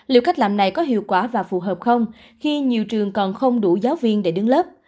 liệu cách làm này có hiệu quả và phù hợp không khi nhiều trường còn không đủ giáo viên để đứng lớp